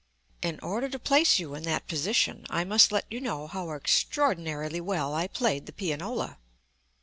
In order to place you in that position I must let you know how extraordinarily well I played the pianola.